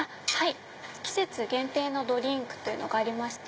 季節限定のドリンクというのがありまして。